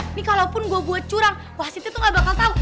ini kalaupun gue buat curang wasitnya tuh gak bakal tahu